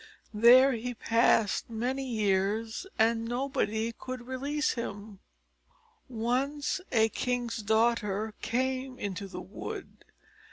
There he passed many years, and nobody could release him. Once a king's daughter came into the wood.